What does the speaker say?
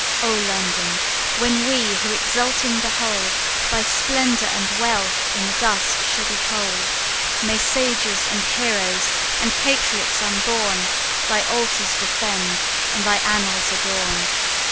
"Oh, London! when we, who exulting behold Thy splendour and wealth, in the dust shall be cold, May sages, and heroes, and patriots unborn, Thy altars defend, and thy annals adorn!